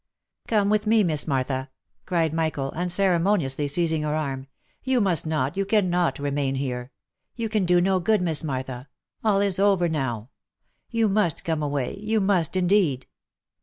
" Come with me, Miss Martha !" cried Michael, unceremoniously seizing her arm. " You must not, you cannot remain here. You can do no good, Miss Martha ; all is over now ! You must come OF MICHAEL ARMSTRONG. 369 away, you must indeed."